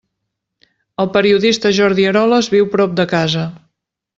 El periodista Jordi Eroles viu prop de casa.